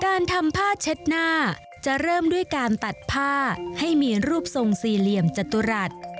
การทำผ้าเช็ดหน้าจะเริ่มด้วยการตัดผ้าให้มีรูปทรงสี่เหลี่ยมจตุรัส